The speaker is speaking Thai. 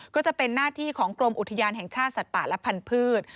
ก็จะเป็นหน้าที่ของกรมอุทยานแห่งชาติสัตว์ป่าและพันธุ์